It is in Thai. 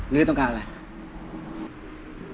หรือต้องการอะไร